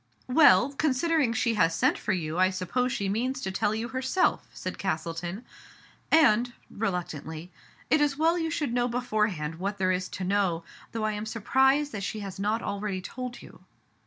" Well, considering she has sent for you, I sup pose she means to tell you herself," said Cas tleton. " And," reluctantly, " it is well you should know beforehand what there is to know, though I am surprised that she has not already told you."